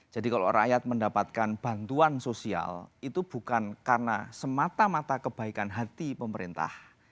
jadi kalau rakyat mendapatkan bantuan sosial itu bukan karena semata mata kebaikan hati pemerintah